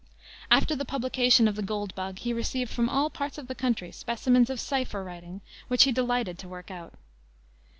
After the publication of the Gold Bug he received from all parts of the country specimens of cipher writing, which he delighted to work out.